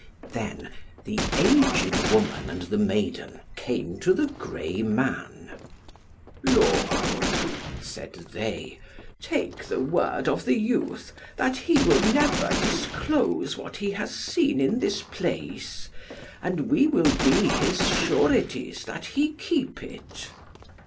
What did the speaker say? Then the aged woman and the maiden came to the grey man, "Lord," said they, "take the word of the youth, that he will never disclose what he has seen in this place, and we will be his sureties that he keep it."